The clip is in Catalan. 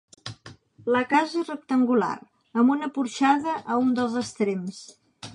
La casa és rectangular, amb una porxada a un dels extrems.